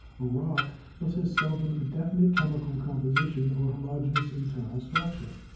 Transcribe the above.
A rock thus has seldom a definite chemical composition or homogeneous internal structure.